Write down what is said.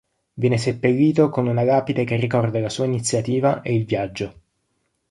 Viene seppellito con una lapide che ricorda la sua iniziativa e il viaggio.